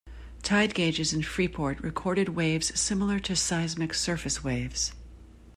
Tide gauges in Freeport recorded waves similar to seismic surface waves.